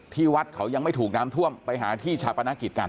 ที่วัดเขายังไม่ถูกน้ำท่วมไปหาที่ชาปนกิจกัน